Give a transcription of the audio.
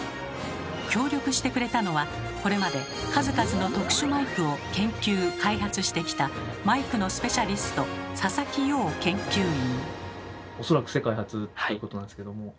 協力してくれたのはこれまで数々の特殊マイクを研究開発してきたマイクのスペシャリスト佐々木陽研究員。